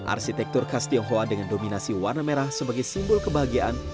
arsitektur khas tionghoa dengan dominasi warna merah sebagai simbol kebahagiaan